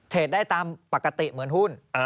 ได้ตามปกติเหมือนหุ้น